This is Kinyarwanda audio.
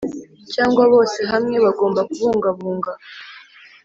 Cyangwa bose hamwe bagomba kubungabunga